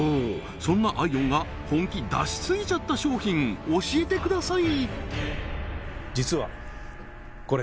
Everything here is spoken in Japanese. そんなアイオンが本気出しすぎちゃった商品教えてください